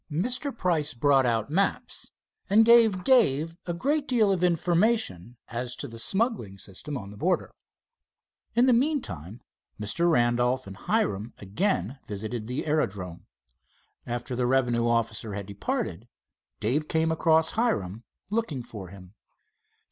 Mr. Price brought out maps, and gave Dave great deal of information as to the smuggling system on the border. In the meantime, Randolph and Hiram again visited the aerodrome. After the revenue officer had departed, Dave came across Hiram looking for him.